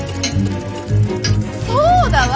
そうだわ！